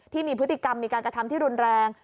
ที่มีพฤติกรรมมีการกระทำที่รุนแรง